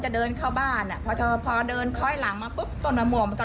เดินเข้าบ้านอ่ะพอพอเดินคล้อยหลังมาปุ๊บต้นมะม่วงมันก็